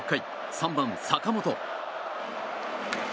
３番、坂本。